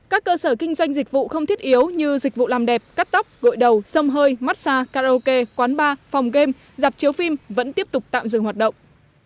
các cơ sở kinh doanh dịch vụ không thiết yếu như dịch vụ làm đẹp cắt tóc gội đầu xâm hơi massage karaoke quán bar phòng game dạp chiếu phim vẫn tiếp tục tạm dừng hoạt động